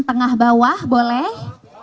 tengah bawah boleh